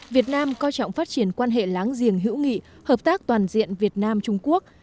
việt nam coi trọng phát triển quan hệ láng giềng hữu nghị hợp tác toàn diện việt nam trung quốc